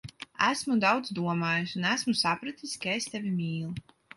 Esmu daudz domājis, un esmu sapratis, ka es tevi mīlu.